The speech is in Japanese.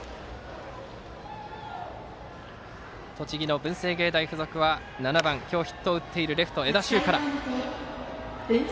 栃木の文星芸大付属は７番、今日ヒットを打っているレフト、江田修から。